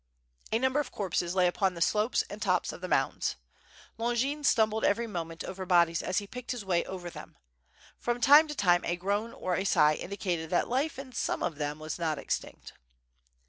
A number of corpses lay upon the slopes and tops of the mounds. Longin stumbled every moment over bodies as he picked his way over them. From time to time a groan or a sigh indicated that life in some of them was not extinct.